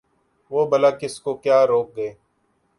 وہ بلا کس کو کیا روک گے ۔